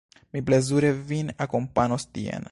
Mi plezure vin akompanos tien.